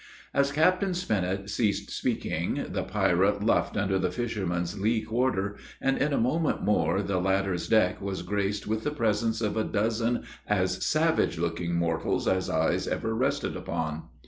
As Captain Spinnet ceased speaking, the pirate luffed under the fisherman's lee quarter, and, in a moment more, the latter's deck was graced with the presence of a dozen as savage looking mortals as eyes ever rested upon.